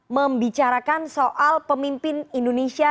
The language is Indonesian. membicarakan soal pemimpin indonesia